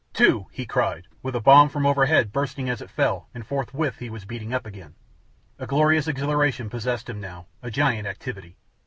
"Two!" he cried, with a bomb from overhead bursting as it fell, and forthwith he was beating up again. A glorious exhilaration possessed him now, a giant activity.